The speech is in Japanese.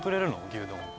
牛丼。